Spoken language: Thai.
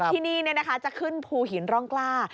ที่นี่จะขึ้นภูหินร่องกล้า